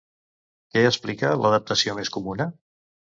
Què explica l'adaptació més comuna?